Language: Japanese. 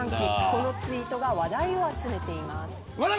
このツイートが話題を集めています。